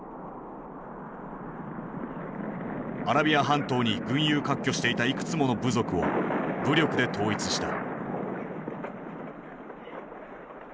アラビア半島に群雄割拠していたいくつもの部族を武力で統一した。